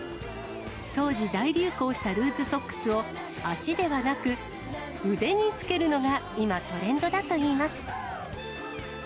当時、大流行したルーズソックスを、足ではなく腕につけるのが今、トレンドだといいます。